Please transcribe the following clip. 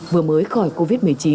vừa mới khỏi covid một mươi chín